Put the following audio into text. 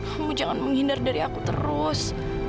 kamu jangan menghindar dari aku terus